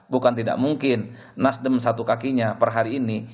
bukan tidak mungkin nasdem satu kakinya per hari ini